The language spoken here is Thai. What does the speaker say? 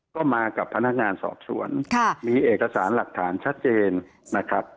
ก็มากับพนักงานสอบสวนมีเอกสารหลักฐานชัดเจนนะครับ